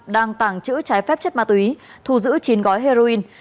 đang tàng trữ trái phép chất ma túy thu giữ chín gói heroin